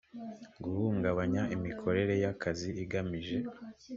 guhungabanya imikorere y akazi igamije